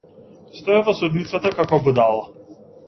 Стоев во судницата како будала.